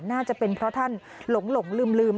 น่าจะเป็นเพราะท่านหลงลืม